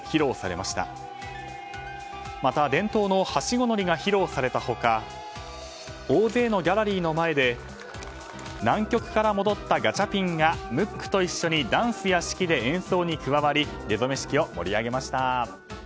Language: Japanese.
また、伝統のはしご乗りが披露された他大勢のギャラリーの前で南極から戻ったガチャピンがムックと一緒にダンスや指揮で演奏に加わり出初め式を盛り上げました。